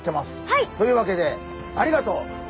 はい！というわけでありがとう。